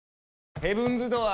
ヘブンズ・ドアー！